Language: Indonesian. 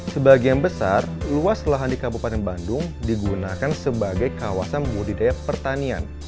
sebagian besar luas lahan di kabupaten bandung digunakan sebagai kawasan budidaya pertanian